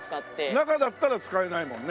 中だったら使えないもんね。